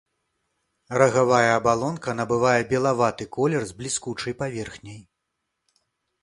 Рагавая абалонка набывае белаваты колер з бліскучай паверхняй.